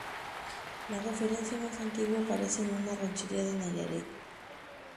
La referencia más antigua aparece en una ranchería de Nayarit.